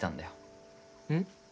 うん？